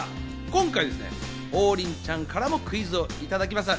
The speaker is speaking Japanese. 今回ですね、王林ちゃんからクイズをいただきました。